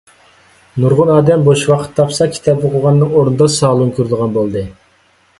نۇرغۇن ئادەم بوش ۋاقىت تاپسا كىتاپ ئوقۇغاننىڭ ئورنىدا سالۇن كۆرىدىغان بولدى.